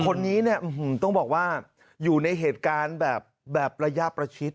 คนนี้เนี่ยต้องบอกว่าอยู่ในเหตุการณ์แบบระยะประชิด